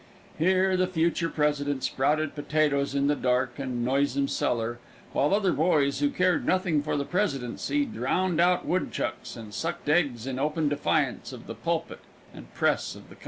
Here the future president sprouted potatoes in the dark and noisome cellar, while other boys, who cared nothing for the presidency, drowned out woodchucks and sucked eggs in open defiance of the pulpit and press of the country.